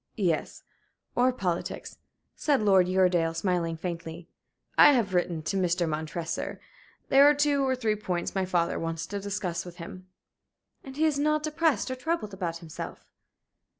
"Yes or politics," said Lord Uredale, smiling faintly. "I have written to Mr. Montresor. There are two or three points my father wants to discuss with him." "And he is not depressed, or troubled about himself?"